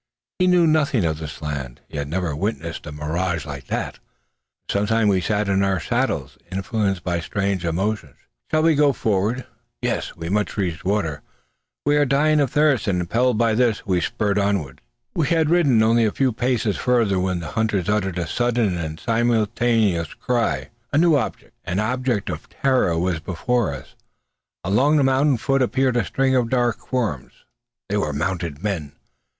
He knew nothing of this land. He had never witnessed a mirage like that. For some time we sat in our saddles, influenced by strange emotions. Shall we go forward? Yes! We must reach water. We are dying of thirst; and, impelled by this, we spur onward. We had ridden only a few paces farther when the hunters uttered a sudden and simultaneous cry. A new object an object of terror was before us. Along the mountain foot appeared a string of dark forms. They were mounted men!